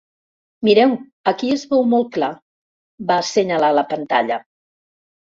Mireu, aquí es veu molt clar —va assenyalar la pantalla—.